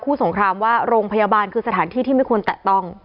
สงครามว่าโรงพยาบาลคือสถานที่ที่ไม่ควรแตะต้อง